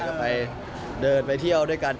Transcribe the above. ก็ไปเดินไปเที่ยวด้วยกัน